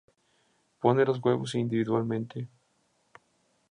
Pone los huevos individualmente.